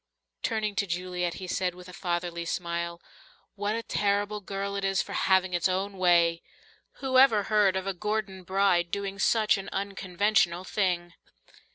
Turning to Juliet, he said with a fatherly smile, "What a terrible girl it is for having its own way! Who ever heard of a Gordon bride doing such an unconventional thing?